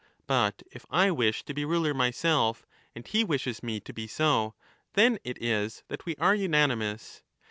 But if I wish to be ruler myself, and he wishes me to be so, then it is that we are unanimous.